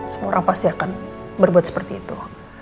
semua orang pasti akan berbuat seperti itu